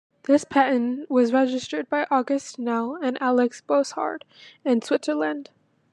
This patent was registered by August Schnell and Alex Bosshard in Switzerland.